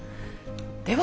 では